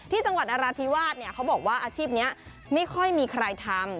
จังหวัดนราธิวาสเนี่ยเขาบอกว่าอาชีพนี้ไม่ค่อยมีใครทำ